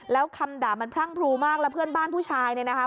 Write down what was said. แล้วคำด่ามันพรั่งพรูมากแล้วเพื่อนบ้านผู้ชายเนี่ยนะคะ